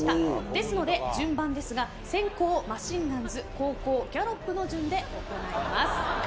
ですので順番ですが先攻マシンガンズ後攻ギャロップの順で行います。